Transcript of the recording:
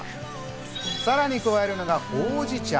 さらに加えるのがほうじ茶。